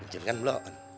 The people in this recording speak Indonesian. inchun kan blok kan